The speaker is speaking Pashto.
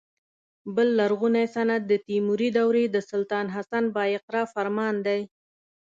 بل لرغونی سند د تیموري دورې د سلطان حسن بایقرا فرمان دی.